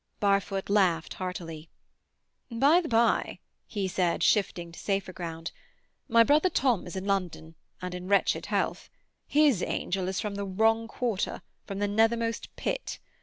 Barfoot laughed heartily. "By the bye," he said, shifting to safer ground, "my brother Tom is in London, and in wretched health. His angel is from the wrong quarter, from the nethermost pit.